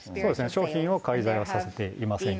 商品を介在させてはいません。